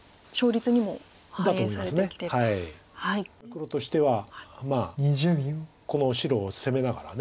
黒としてはこの白を攻めながら。